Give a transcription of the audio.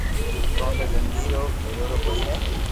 ڪونڪھ زندگي رو ڀھريري ڪوئي ھي